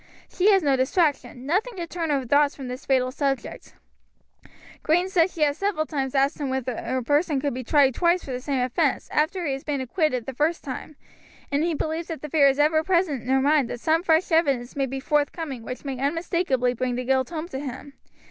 She has no distraction, nothing to turn her thoughts from this fatal subject. "Green says she has several times asked him whether a person could be tried twice for the same offense, after he has been acquitted the first time, and he believes that the fear is ever present in her mind that some fresh evidence may be forthcoming which may unmistakably bring the guilt home to him.